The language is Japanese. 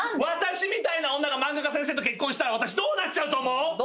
私みたいな女が漫画家先生と結婚したら私どうなっちゃうと思う？